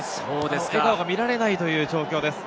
笑顔が見られないという状況です。